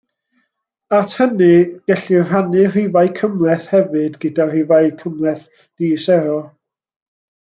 At hynny, gellir rhannu rhifau cymhleth hefyd gyda rhifau cymhleth di-sero.